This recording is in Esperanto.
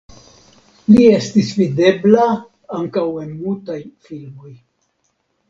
Li estis videbla ankaŭ en mutaj filmoj.